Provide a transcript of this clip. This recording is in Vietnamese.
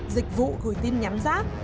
dịch vụ gửi tin nhắn giáp